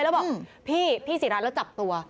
แล้วบอกพี่พี่ศิราแล้วจับตัว